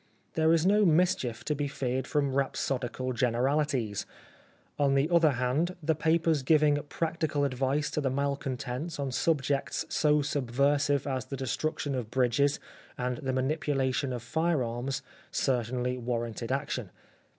There is no mischief to be feared from rhapsodical generalities. On the other hand, the papers giving practical advice to the malcontents on subjects so subversive as the destruction of bridges and the manipulation of fire arms cer tainly warranted action.